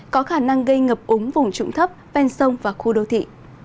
có khả năng gây ngập úng vùng trụng thấp ven sông và khu đô thị